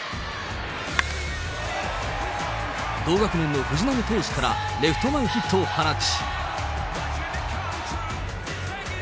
同学年の藤浪投手からレフト前ヒットを放ち。